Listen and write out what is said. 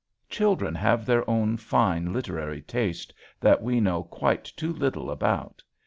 Children have their own fine literary taste that we know quite too little about.